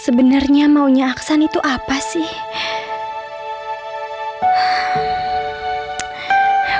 sebenarnya maunya aksan itu apa sih